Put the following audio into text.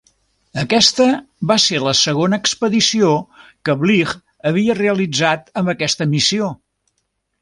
Aquesta va ser la segona expedició que Bligh havia realitzat amb aquesta missió.